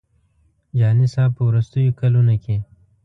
جهاني صاحب په وروستیو کلونو کې.